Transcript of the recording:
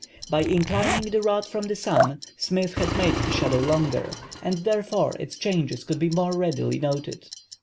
By inclining the rod from the sun Smith had made the shadow longer, and therefore its changes could be the more readily noted.